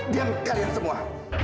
diam kalian semua